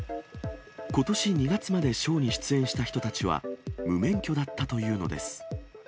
ことし２月までショーに出演した人たちは、無免許だったというのです。